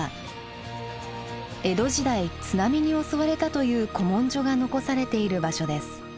江戸時代津波に襲われたという古文書が残されている場所です。